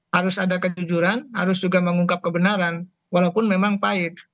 harus ada kejujuran harus juga mengungkap kebenaran walaupun memang pahit